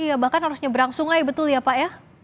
iya bahkan harus nyeberang sungai betul ya pak ya